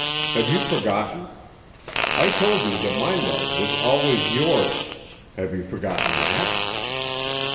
Have you forgotten? I told you that my love was always yours ... have you forgotten that?"